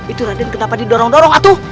itu raden kenapa didorong dorong aduh